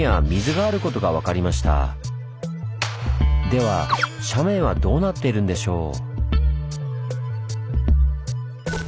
では斜面はどうなっているんでしょう？